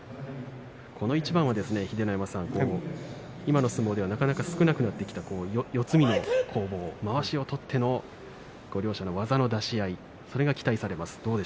この一番は今の相撲ではなかなか少なくなってきた四つ身の攻防、まわしを取っての両者の技の出し合いそれが期待されます。